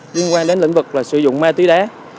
liên quan đến lĩnh vực là sử dụng ma túy đá